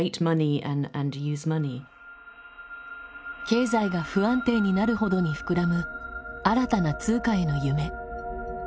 経済が不安定になるほどに膨らむ新たな通貨への夢。